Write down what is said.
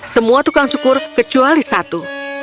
semua tukang cukur kecuali satu